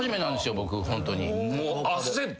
僕ホントに。